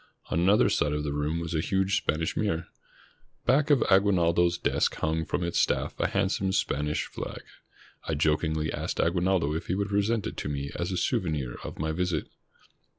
On another side of the room was a huge Spanish mirror. Back of Aguinaldo's desk hung from its staff a handsome Span ish flag. I jokingly asked Aguinaldo if he would present it to me as a souvenir of my visit.